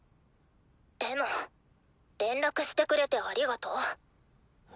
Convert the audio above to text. でも連絡してくれてありがと。